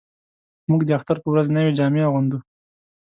موږ د اختر په ورځ نوې جامې اغوندو